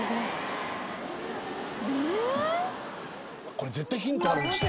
「これ絶対ヒントあるよ下に」